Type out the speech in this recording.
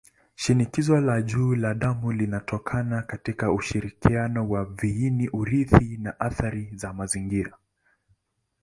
Shinikizo la juu la damu linatokana katika ushirikiano wa viini-urithi na athari za mazingira.